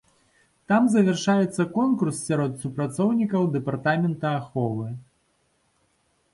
Там завяршаецца конкурс сярод супрацоўнікаў дэпартамента аховы.